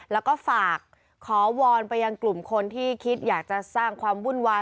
แล้วก็ฝากขอวอนไปยังกลุ่มคนที่คิดอยากจะสร้างความวุ่นวาย